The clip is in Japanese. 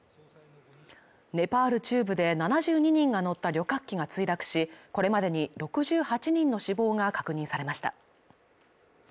ネパール中部で７２人が乗った旅客機が墜落しこれまでに６８人の死亡が確認されました